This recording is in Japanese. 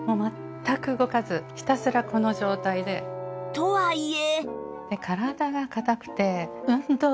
とはいえ